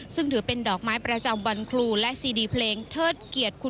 ซึ่งถือเป็นดอกไม้ประจำวันครูและซีดีเพลงเทิดเกียรติคุณ